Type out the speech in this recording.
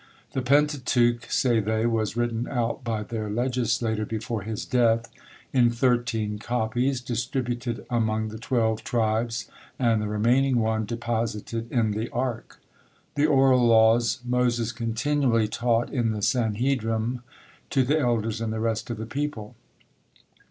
The Pentateuch, say they, was written out by their legislator before his death in thirteen copies, distributed among the twelve tribes, and the remaining one deposited in the ark. The oral law Moses continually taught in the Sanhedrim, to the elders and the rest of the people.